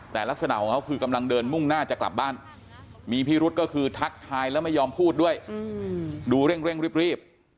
แต่ลักษณะของเขาคือกำลังเดินมุ่งหน้าจะกลับบ้านมีพิรุษก็คือทักทายแล้วไม่ยอมพูดด้วยดูเร่งรีบ